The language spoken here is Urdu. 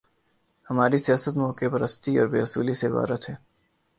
ہماری سیاست موقع پرستی اور بے اصولی سے عبارت ہے۔